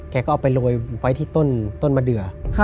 แกก็เอาไปโรยไว้ที่ต้นมะเดือ